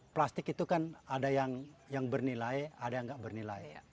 plastik itu kan ada yang bernilai ada yang nggak bernilai